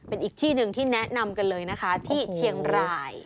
เป็นอีกที่หนึ่งที่แนะนำกันเลยนะคะที่เชียงราย